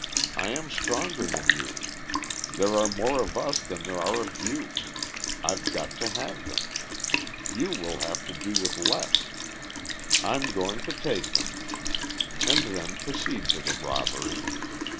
I am stronger than you; there are more of us than there are of you. I've got to have them. You will have to do with less. I'm going to take them;" and then proceed to the robbery.